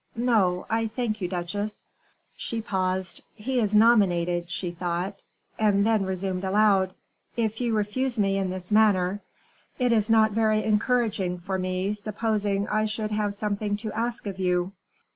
"No, I thank you, duchesse." She paused. "He is nominated," she thought; and then resumed aloud, "If you refuse me in this manner, it is not very encouraging for me, supposing I should have something to ask of you."